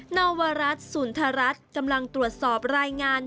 นวรัฐสุนทรัสกำลังตรวจสอบรายงาน